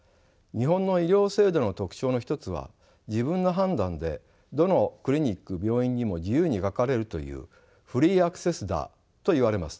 日本の医療制度の特徴の一つは自分の判断でどのクリニック病院にも自由にかかれるというフリーアクセスだと言われます。